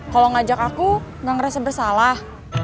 kalau ngajak aku nggak ngerasa bersalah